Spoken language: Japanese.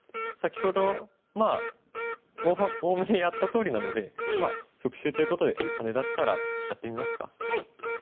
先ほどまあおおむねやったとおりなので復習ということでハネ出したらやってみますか。